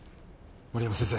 森山先生。